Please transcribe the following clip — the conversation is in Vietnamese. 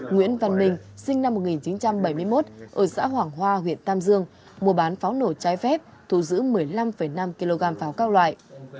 nguyễn văn minh sinh năm một nghìn chín trăm bảy mươi một ở xã hoàng hoa huyện tam dương mua bán pháo nổ trái phép thu giữ một mươi năm năm kg pháo các loại